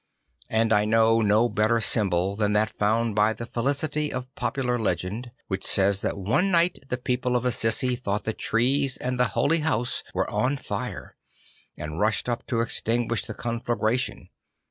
And I know no better symbol than that found by the felicity of popular legend, which says that one night the people of Assisi thought the trees and the holy house were on fire, and rushed up to extinguish the conflagra tion.